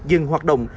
dừng hoạt động